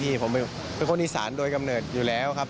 ผมเป็นคนอีสานโดยกำเนิดอยู่แล้วครับ